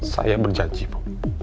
saya berjanji bu